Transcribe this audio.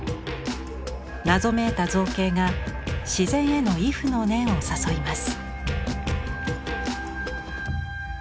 謎めいた造形が自然への畏怖の念を誘います。